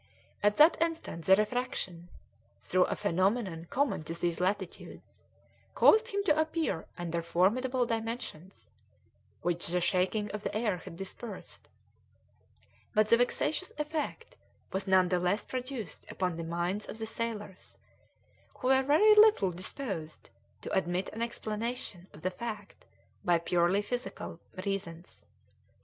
At that instant the refraction, through a phenomenon common to these latitudes, caused him to appear under formidable dimensions, which the shaking of the air had dispersed; but the vexatious effect was none the less produced upon the minds of the sailors, who were very little disposed to admit an explanation of the fact by purely physical reasons.